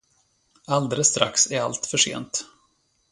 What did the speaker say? Alldeles strax är allt för sent.